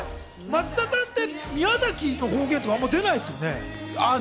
松田さんって、宮崎の方言とかあまり出ないですよね。